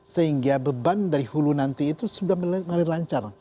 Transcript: sehingga beban dari hulu nanti itu sudah mulai lancar